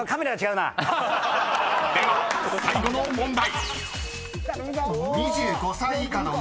［では最後の問題］